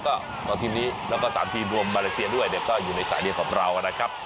ก็๒ทีมนี้แล้วก็๓ทีมรวมมาเลเซียด้วยเนี่ยก็อยู่ในสายเดียวกับเรานะครับ